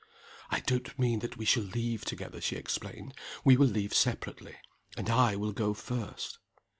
"I don't mean that we shall leave together," she explained. "We will leave separately and I will go first."